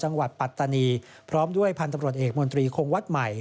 จังหวัดปัตตานีพร้อมด้วยพันตำรวจเอกมนตรีโครงวัดใหม่